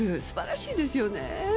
素晴らしいですよね。